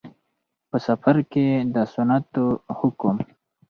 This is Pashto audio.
په. سفر کې د سنتو حکم